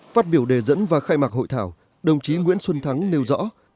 phát biểu đề dẫn và khai mạc hội thảo đồng chí nguyễn xuân thắng nêu rõ